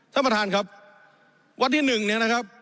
ท่านประธานครับวันที่หนึ่งเนี่ยนะครับ